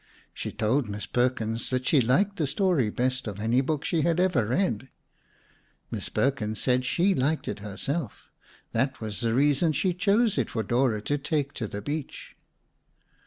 She told Miss Perkins that she liked that story best of any book she had ever read. Miss Perkins said she liked it herself. That was the reason she chose it for Dora to take to the beach.